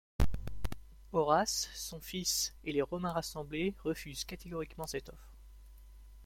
Horace, son fils et les Romains rassemblés refusent catégoriquement cette offre.